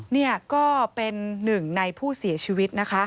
นี่ก็เป็นหนึ่งในผู้เสียชีวิตนะคะ